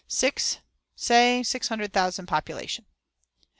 (Say) six hundred thousand population.